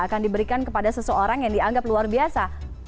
akan diberikan kepada seseorang yang dianggap luar biasa